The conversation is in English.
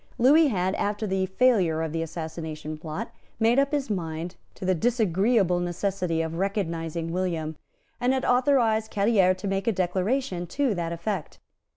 Lewis had, after the failure of the Assassination Plot, made up his mind to the disagreeable necessity of recognising William, and had authorised Callieres to make a declaration to that effect.